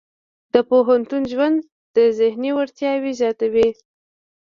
د پوهنتون ژوند د ذهني وړتیاوې زیاتوي.